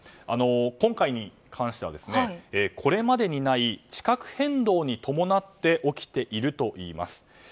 今回に関してはこれまでにない地殻変動に伴って起きているといいます。